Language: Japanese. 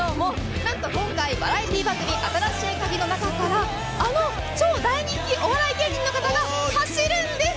今回バラエティー番組新しいカギの中から超人気お笑い芸人の方が走るんです。